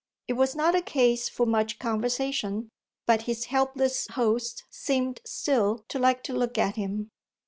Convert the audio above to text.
It was not a case for much conversation, but his helpless host seemed still to like to look at him.